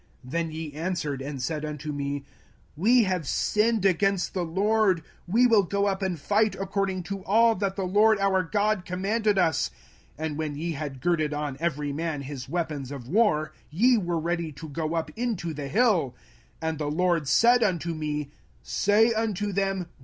05:001:041 Then ye answered and said unto me, We have sinned against the LORD, we will go up and fight, according to all that the LORD our God commanded us. And when ye had girded on every man his weapons of war, ye were ready to go up into the hill. 05:001:042 And the LORD said unto me, Say unto them.